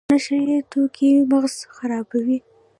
نشه یي توکي مغز خرابوي